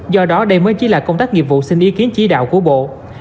do đó đây mới chỉ là công tác nghiệp vụ xin ý kiến chỉ đạo của bộ